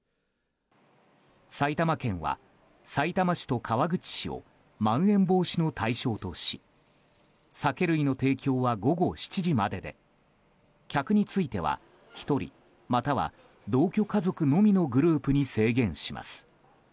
埼玉県は、さいたま市と川口市をまん延防止の対象とし酒類の提供は午後７時までで客については、１人または同居家族のみのグループに制限します。